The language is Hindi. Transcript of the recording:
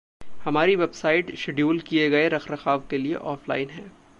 हमारी वेबसाइट शेड्यूल किये गये रखरखाव के लिये ऑफलाइन है।